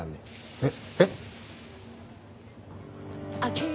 えっ？